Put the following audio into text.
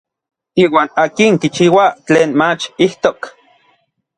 Iuan akin kichiua tlen mach ijtok.